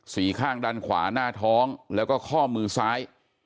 ข้างด้านขวาหน้าท้องแล้วก็ข้อมือซ้าย